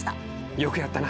よくやったな。